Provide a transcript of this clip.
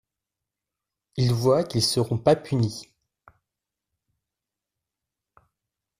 Ils voient qu'ils seront pas punis.